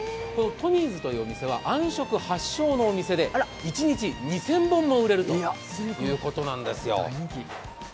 トミーズというお店はあん食発祥のお店で一日２０００本も売れるということなんですよ。